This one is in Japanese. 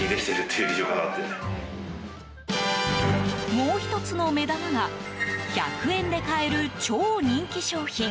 もう１つの目玉が１００円で買える超人気商品。